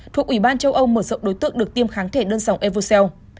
thuộc ủy ban châu âu mở rộng đối tượng được tiêm kháng thể đơn sòng evucel